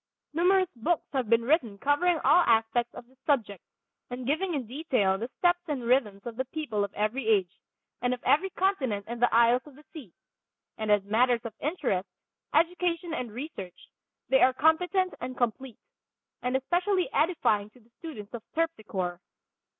Numerous books have been written covering all aspects of this subject, and giving in detail the steps and rhythms of the people of every age, and of every continent and the isles of the sea; and as matters of interest, education and research they are competent and complete, and especially edifying to the student of Terpsichore.